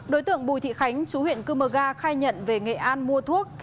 đối tượng bùi thị khánh chú huyện cư mơ ga khai nhận về nghệ an mua thuốc